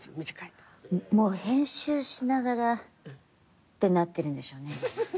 もう編集しながら。ってなってるんでしょうねきっと。